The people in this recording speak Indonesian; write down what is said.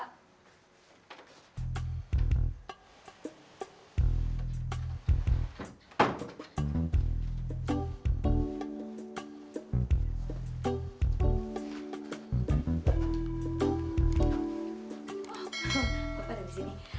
bapak ada di sini